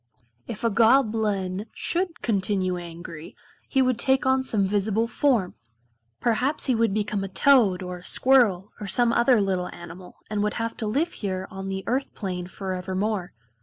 If a Goblin should continue angry he would take on some visible form. Perhaps he would become a toad or a squirrel, or some other little animal, and would have to live here on the Earth plane forevermore.